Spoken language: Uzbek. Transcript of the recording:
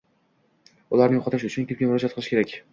ularni yo’qotish uchun kimga murojaat qilish kerak?